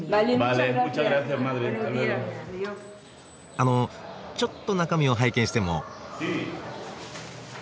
あのちょっと中身を拝見しても。